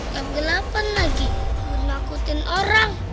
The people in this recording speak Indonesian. gak gelapan lagi mau nakutin orang